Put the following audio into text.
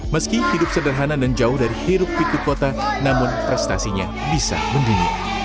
meski hidup sederhana dan jauh dari hirup piku kota namun prestasinya bisa mendunia